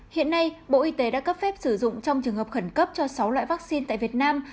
hiện nay bộ y tế đã cấp phép sử dụng trong trường hợp khẩn cấp cho sáu loại vaccine tại việt nam